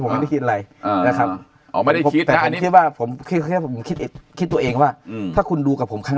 ผมไม่ได้คิดอะไรแต่ผมคิดตัวเองว่าถ้าคุณดูกับผมครั้ง